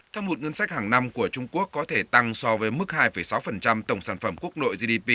theo một ngân sách hàng năm của trung quốc có thể tăng so với mức hai sáu tổng sản phẩm quốc nội gdp